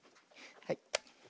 はい。